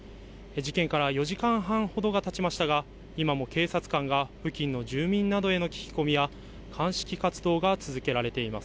事件から４時間半ほどがたちましたが今も警察官が付近の住民などへの聞き込みや鑑識活動が続けられています。